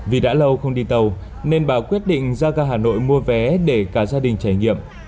vì đã lâu không đi tàu nên bà quyết định ra ga hà nội mua vé để cả gia đình trải nghiệm